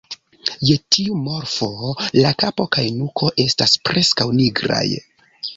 Je tiu morfo la kapo kaj nuko estas preskaŭ nigraj.